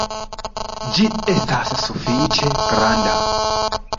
Ĝi estas sufiĉe granda